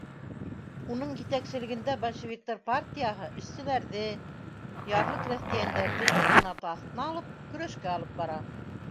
Уның етәкселегендә большевиктар партияһы эшселәрҙе, ярлы крәҫтиәндәрҙе үҙ ҡанаты аҫтына алып, көрәшкә алып бара.